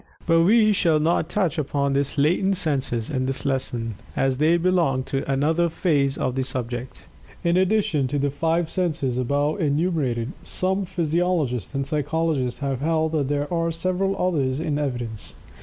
But we shall not touch upon these latent senses in this lesson, as they belong to another phase of the subject. In addition to the five senses above enumerated, some physiologists and psychologists have held that there were several others in evidence.